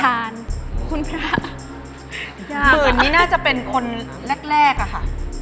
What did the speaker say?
หมื่นนี่น่าจะเป็นคนแรกอ่ะครับ